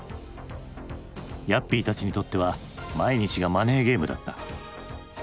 ヤッピーたちにとっては毎日がマネーゲームだった。